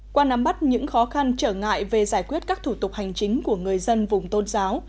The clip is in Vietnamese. qua nắm bắt những khó khăn trở ngại về giải quyết các thủ tục hành chính của người dân vùng tôn giáo